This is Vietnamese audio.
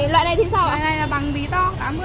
loại này là bằng bí to tám mươi